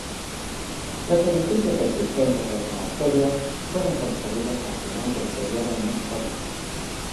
Los edificios existentes del monasterio fueron construidos al final del período moscovita.